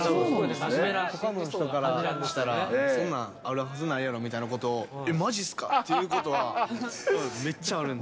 ほかの人からしたら、そんなんあるはずないやろみたいなことを、えっ、まじっすかっていうことは、めっちゃあるんで。